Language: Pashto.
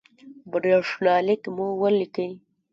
برېښنالک مو ولیکئ